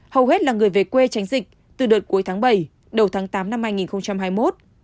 hầu hết là người về quê tránh dịch từ đợt cuối tháng bảy đầu tháng tám năm hai nghìn hai mươi một